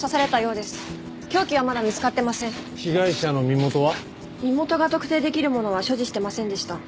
身元が特定できるものは所持してませんでした。